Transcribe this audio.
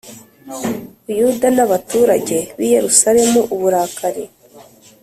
Buyuda n abaturage b i Yerusalemu uburakari